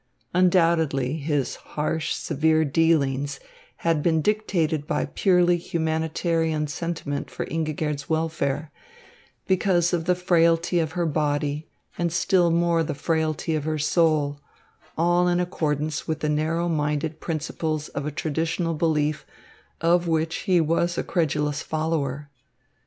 Undoubtedly his harsh, severe dealings had been dictated by purely humanitarian sentiment for Ingigerd's welfare, because of the frailty of her body and still more the frailty of her soul, all in accordance with the narrow minded principles of a traditional belief, of which he was a credulous follower.